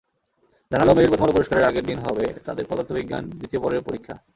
জানাল, মেরিল-প্রথম আলো পুরস্কারের আগের দিন হবে তাদের পদার্থবিজ্ঞান দ্বিতীয় পর্বের পরীক্ষা।